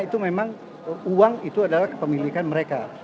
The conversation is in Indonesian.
itu memang uang itu adalah kepemilikan mereka